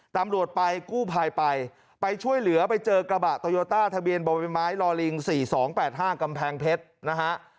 ตำรวจไปกู้ภัยไปไปช่วยเหลือไปเจอกระบะโตโยต้าทะเบียนบ่อใบไม้ลอลิง๔๒๘๕กำแพงเพชรนะฮะ